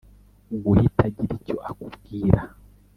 guhita agira icyo akubwira